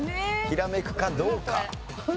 ひらめくかどうか。